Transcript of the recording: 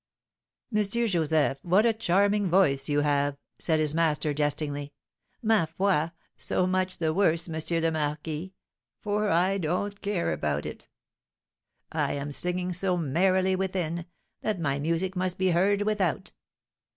"M. Joseph, what a charming voice you have!" said his master, jestingly. "Ma foi! so much the worse, M. le Marquis, for I don't care about it. I am singing so merrily within, that my music must be heard without."